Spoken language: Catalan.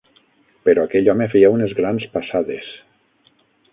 Però aquell home feia unes grans passades.